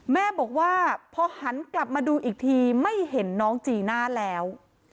แม่บอกว่าพอหันกลับมาดูอีกทีไม่เห็นน้องจีน่าแล้ว